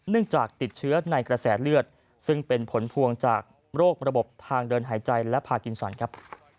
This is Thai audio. จากติดเชื้อในกระแสเลือดซึ่งเป็นผลพวงจากโรคระบบทางเดินหายใจและพากินสันครับ